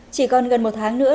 chỉ còn gần một tháng nữa